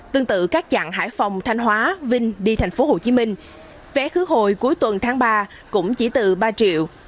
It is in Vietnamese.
tương tự các chặng hải phòng thanh hóa vinh đi tp hcm vé khứ hồi cuối tuần tháng ba cũng chỉ từ ba triệu